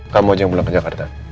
kamu aja yang pulang ke jakarta